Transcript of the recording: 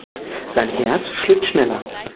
Sein Herz schlägt schneller.